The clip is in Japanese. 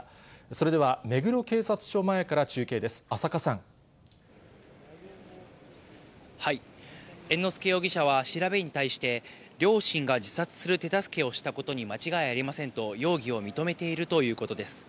それでは、目黒警察署前から中継猿之助容疑者は調べに対して、両親が自殺する手助けをしたことに間違いありませんと容疑を認めているということです。